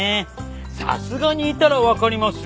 さすがにいたらわかりますよ。